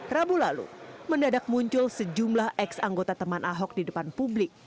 rabu lalu mendadak muncul sejumlah ex anggota teman ahok di depan publik